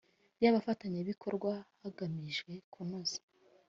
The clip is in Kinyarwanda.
y abafatanyabikorwa hagamijwe kunoza